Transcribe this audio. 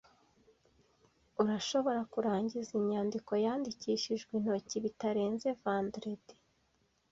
Urashobora kurangiza inyandiko yandikishijwe intoki bitarenze vendredi?